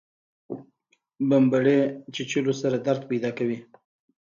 بمبړې چیچلو سره درد پیدا کوي